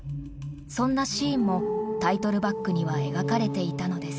そんなシーンもタイトルバックには描かれていたのです。